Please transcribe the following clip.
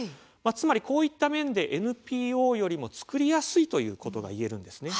つまり、こういった面でＮＰＯより作りやすいということが言えるんです。